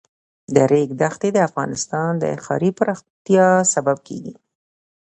د ریګ دښتې د افغانستان د ښاري پراختیا سبب کېږي.